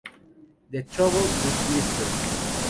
The Trouble with Mr.